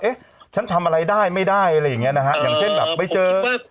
ฉันทำอะไรได้ไม่ได้อะไรอย่างเงี้นะฮะอย่างเช่นแบบไปเจอ